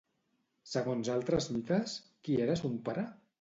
Segons altres mites, qui era son pare?